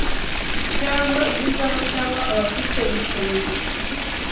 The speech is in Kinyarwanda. cyangwa ibizaba cyangwa abafite ubushobozi